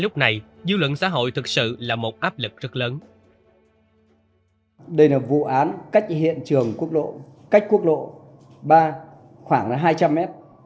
đây là vụ án cách hiện trường quốc lộ cách quốc lộ ba khoảng hai trăm linh mét